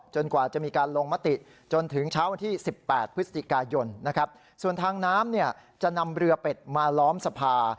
กว่าจะมีการลงมติจนถึงเช้าวันที่๑๘พฤศจิกายนนะครับส่วนทางน้ำเนี่ยจะนำเรือเป็ดมาล้อมสภา